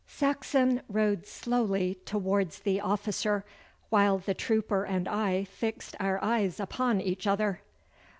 Saxon rode slowly towards the officer, while the trooper and I fixed our eyes upon each other.